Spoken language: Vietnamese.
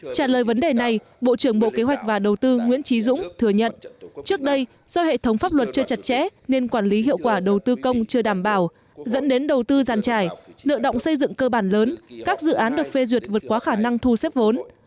trả lời vấn đề này bộ trưởng bộ kế hoạch và đầu tư nguyễn trí dũng thừa nhận trước đây do hệ thống pháp luật chưa chặt chẽ nên quản lý hiệu quả đầu tư công chưa đảm bảo dẫn đến đầu tư giàn trải nợ động xây dựng cơ bản lớn các dự án được phê duyệt vượt qua khả năng thu xếp vốn